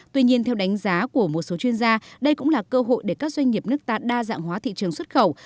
tuy nhiên theo đánh giá của một số chuyên gia đây cũng là cơ hội để các doanh nghiệp nước ta đa dạng hóa thị trường xuất khẩu